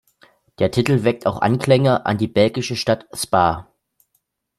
Der Titel weckt auch Anklänge an die belgische Stadt Spa.